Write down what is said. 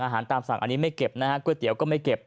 ตามสั่งอันนี้ไม่เก็บนะฮะก๋วยเตี๋ยวก็ไม่เก็บ